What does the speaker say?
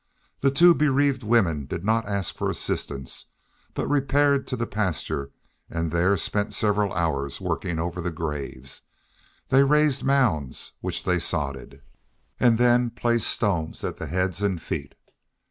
The two bereaved women did not ask for assistance, but repaired to the pasture, and there spent several hours working over the graves. They raised mounds, which they sodded, and then placed stones at the heads and feet.